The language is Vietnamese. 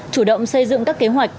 chủ động xây dựng các kế hoạch